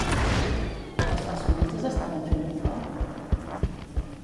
Els personatges estaven fent un foc?